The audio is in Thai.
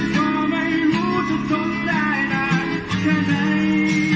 ก็ไม่รู้จะทนได้นานแค่ไหน